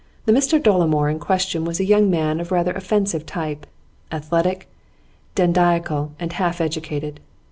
The Mr Dolomore in question was a young man of rather offensive type athletic, dandiacal, and half educated.